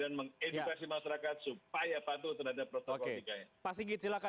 dan mengedukasi masyarakat supaya patuh terhadap protokol tiga nya